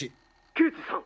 刑事さん！